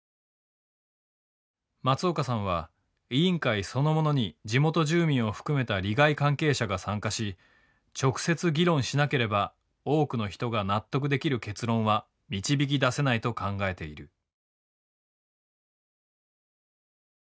松岡さんは委員会そのものに地元住民を含めた利害関係者が参加し直接議論しなければ多くの人が納得できる結論は導き出せないと考えている。